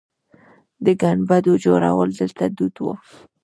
د ګنبدو جوړول دلته دود و